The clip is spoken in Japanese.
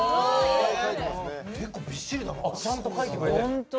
ちゃんと書いてくれてる。